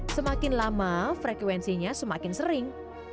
semakin lama frekuensinya semakin sering